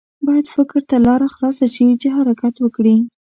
باید فکر ته لاره خلاصه شي چې حرکت وکړي.